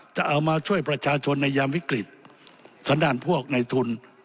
จะเอามาช่วยประชาชนในยามวิกฤตสันดารพวกในทุน